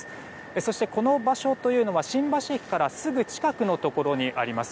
そして、この場所というのは新橋駅からすぐ近くのところにあります。